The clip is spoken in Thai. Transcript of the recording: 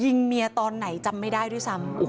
เมียตอนไหนจำไม่ได้ด้วยซ้ำ